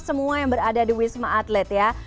semua yang berada di wisma atlet ya